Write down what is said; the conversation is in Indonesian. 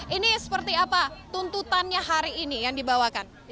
ini seperti apa tuntutannya hari ini yang dibawakan